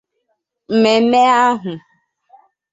Mmemme ahụ